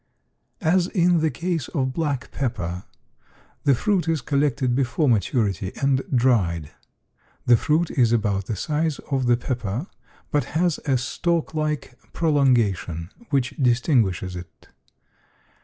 As in the case of black pepper, the fruit is collected before maturity and dried. The fruit is about the size of the pepper, but has a stalk like prolongation which distinguishes it.